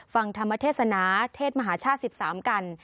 ฟังธรรมเทศนาเทศมหาชาติ๑๓กัน